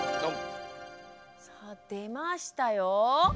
さあ出ましたよ。